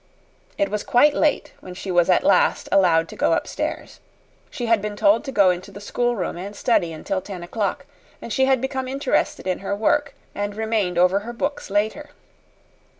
It was quite late when she was at last allowed to go upstairs. She had been told to go into the schoolroom and study until ten o'clock, and she had become interested in her work, and remained over her books later.